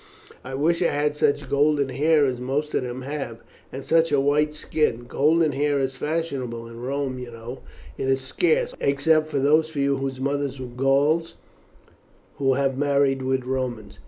I wish I had such golden hair as most of them have, and such a white skin. Golden hair is fashionable in Rome, you know, but it is scarce, except in a few whose mothers were Gauls who have married with Romans."